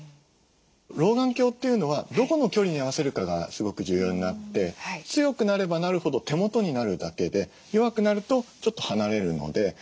老眼鏡というのはどこの距離に合わせるかがすごく重要になって強くなればなるほど手元になるだけで弱くなるとちょっと離れるので。